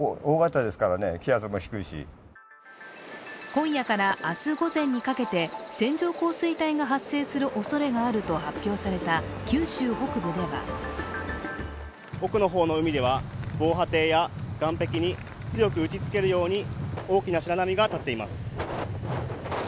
今夜から明日午前にかけて線状降水帯が発生するおそれがあると発表された九州北部では奥の方の海では防波堤や岸壁に強く打ちつけるように大きな白波が立っています。